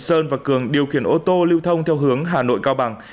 ô tô lưu thông theo hướng hà nội cao bằng